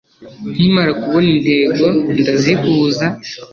nkimara kubona intego, ndazihuza